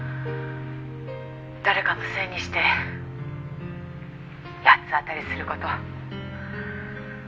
「誰かのせいにして八つ当たりする事」